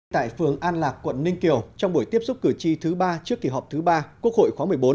tại phường an lạc quận ninh kiều trong buổi tiếp xúc cử tri thứ ba trước kỳ họp thứ ba quốc hội khóa một mươi bốn